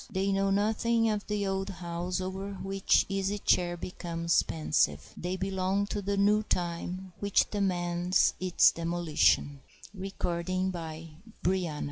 They know nothing of the old house over which the Easy Chair becomes pensive. They belong to the new time, which demands its demolition. PRO